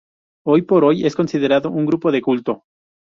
Hoy por hoy es considerado un grupo de culto.